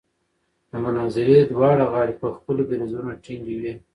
د مناظرې دواړه غاړې په خپلو دریځونو ټینګې وې.